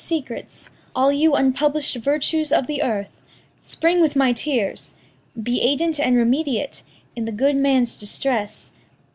All blest secrets, All you unpublish'd virtues of the earth, Spring with my tears! be aidant and remediate In the good man's distress!